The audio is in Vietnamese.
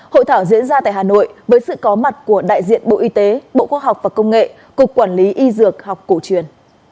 hội thảo diễn ra tại hà nội với sự có mặt của đại diện bộ y tế bộ khoa học và công nghệ cục quản lý y dược học cổ truyền